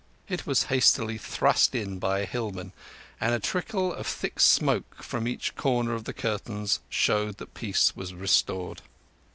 It was hastily thrust in by a hillman, and a trickle of thick smoke from each corner of the curtains showed that peace was restored.